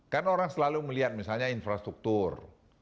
kan orang selalu melihat misalnya infrastruktur